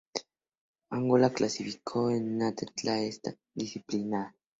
Angola clasificó a una atleta en esta disciplina.